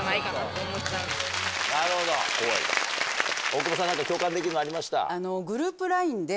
大久保さん何か共感できるのありました？